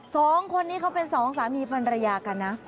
สองคนนี้เขาเป็นสองสามีภรรยากันนะ